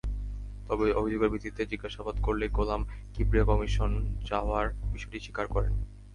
তবে অভিযোগের ভিত্তিতে জিজ্ঞাসাবাদ করলে গোলাম কিবরিয়া কমিশন চাওয়ার বিষয়টি স্বীকার করেন।